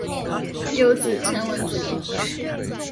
有子陈文烛。